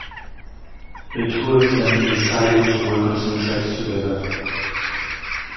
The two of them decided to work on some tracks together.